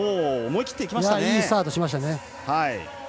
いいスタートしましたね。